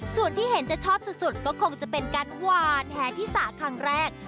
ส่วนที่เห็นจะชอบสุดก็คงจะเป็นการหวานแหที่สาครั้งแรก